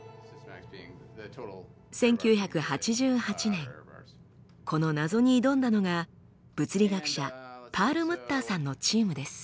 １９８８年この謎に挑んだのが物理学者パールムッターさんのチームです。